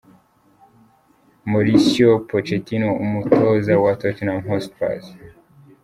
Mauricio Pochetino umutoza wa Tottenham Hotspur.